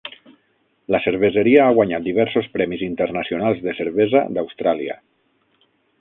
La cerveseria ha guanyat diversos premis internacionals de cervesa d'Austràlia.